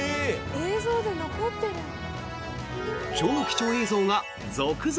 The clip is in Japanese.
映像で残ってるんだ。